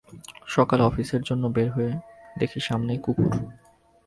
সকালে অফিসের জন্য বের হয়ে দেখি সামনেই কুকুর।